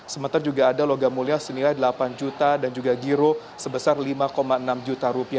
sementara juga ada logam mulia senilai delapan juta dan juga giro sebesar lima enam juta rupiah